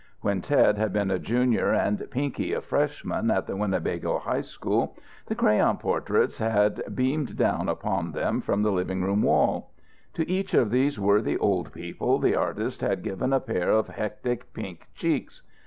When Ted had been a junior and Pinky a freshman at the Winnebago High School the crayon portraits had beamed down upon them from the living room wall. To each of these worthy old people the artist had given a pair of hectic pink cheeks.